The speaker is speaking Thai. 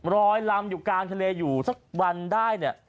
รอยลำอยู่กลางทะเลอยู่สักวันได้